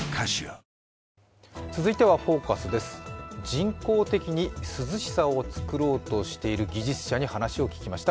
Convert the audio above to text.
人工的に涼しさを作ろうとしている技術者に話を聞きました。